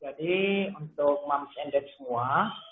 jadi untuk moms and dads semua